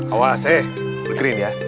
awas eh bergerin ya